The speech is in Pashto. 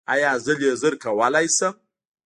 ایا زه لیزر کولی شم؟